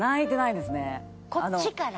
こっちから？